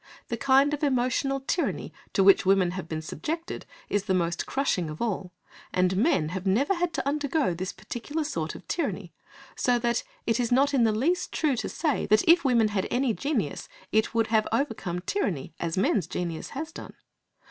The kind of emotional tyranny to which women have been subjected is the most crushing of all, and men have never had to undergo this particular sort of tyranny, so that it is not in the least true to say that if women had had any genius it would have overcome tyranny, as men's genius has done.